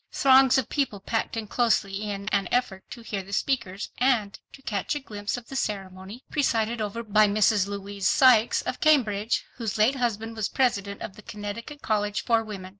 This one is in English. Throngs of people packed in closely in an effort to hear the speakers, and to catch a glimpse of the ceremony, presided over by Mrs. Louise Sykes of Cambridge, whose late husband was President of the Connecticut College for Women.